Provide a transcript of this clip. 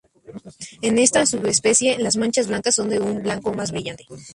En esta subespecie las manchas blancas son de un blanco más brillante.